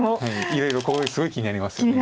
いろいろここすごい気になりますよね。